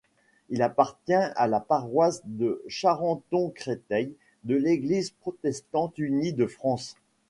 Il appartient à la paroisse de Charenton-Créteil de l'Église protestante unie de France.